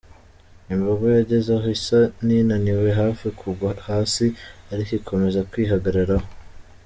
Imbogo yageze aho isa n’inaniwe hafi kugwa hasi, ariko ikomeza kwihagararaho.